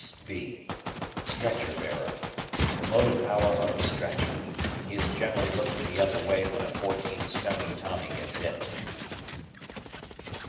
S.B. Stretcher Bearer. The motive power of a stretcher. He is generally looking the other way when a fourteen stone Tommy gets hit.